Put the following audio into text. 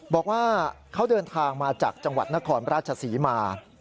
บอกว่าเขาเดินทางมาจากจังหวัดนครราชศรีมา